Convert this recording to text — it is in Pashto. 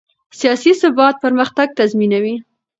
سیاسي ثبات پرمختګ تضمینوي